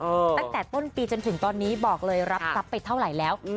ตั้งแต่ต้นปีจนถึงตอนนี้บอกเลยรับทรัพย์ไปเท่าไหร่แล้ว